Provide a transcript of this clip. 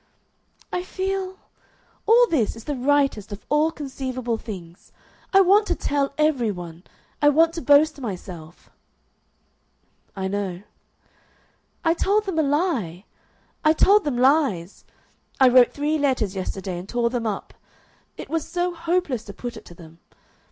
"I feel All this is the rightest of all conceivable things. I want to tell every one. I want to boast myself." "I know." "I told them a lie. I told them lies. I wrote three letters yesterday and tore them up. It was so hopeless to put it to them.